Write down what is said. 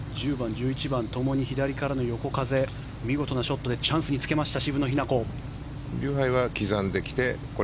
１０番、１１番ともに左からの横風見事なショットでチャンスにつけました